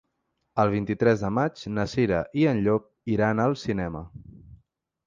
El vint-i-tres de maig na Cira i en Llop iran al cinema.